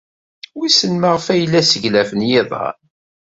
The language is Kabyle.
Wissen maɣef ay la sseglafen yiḍan.